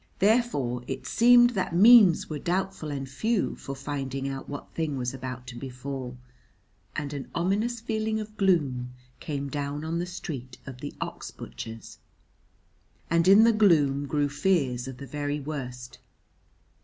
Therefore it seemed that means were doubtful and few for finding out what thing was about to befall; and an ominous feeling of gloom came down on the street of the ox butchers. And in the gloom grew fears of the very worst.